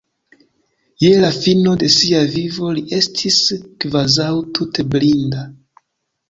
Je la fino de sia vivo li estis kvazaŭ tute blinda.